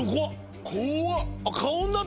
怖っ。